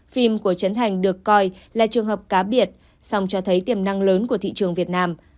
phim của trấn thành được coi là trường hợp cá biệt song cho thấy tiềm năng lớn của thị trường việt nam